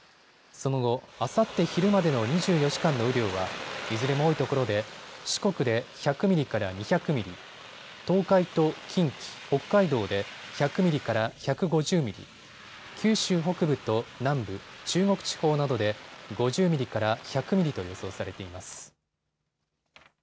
その後、あさって昼までの２４時間の雨量はいずれも多いところで四国で１００ミリから２００ミリ、東海と近畿、北海道で１００ミリから１５０ミリ、九州北部と南部、中国地方などで５０ミリから１００ミリと予想されています。